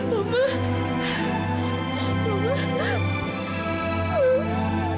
kamila kangen banget sama makan